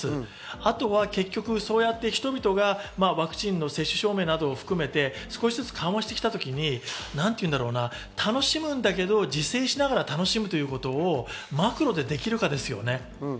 あとは結局、そうやって人々がワクチンの接種証明などを含めて少しずつ緩和してきたときに、楽しむんだけれど自制しながら楽しむということをマクロでできるかですね。